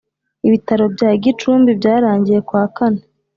Ibitaro bya Gicumbi byarangiye kw’ akane